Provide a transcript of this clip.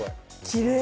きれい！